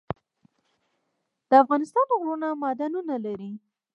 د افغانستان غرونه معدنونه لري